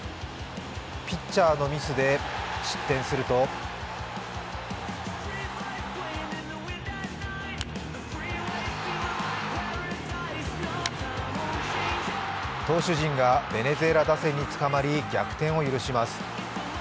ピッチャーのミスで失点すると投手陣がベネズエラ打線につかまり、逆転を許します。